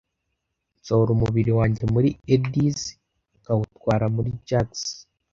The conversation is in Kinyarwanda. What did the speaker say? Nsohora umubiri wanjye muri eddies, nkawutwara muri jags.